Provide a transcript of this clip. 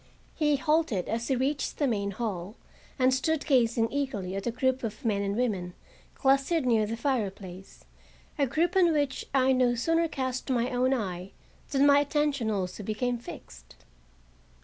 He halted as he reached the main hall and stood gazing eagerly at a group of men and women clustered near the fireplace—a group on which I no sooner cast my own eye than my attention also became fixed.